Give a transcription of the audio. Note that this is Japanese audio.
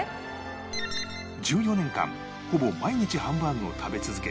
１４年間ほぼ毎日ハンバーグを食べ続け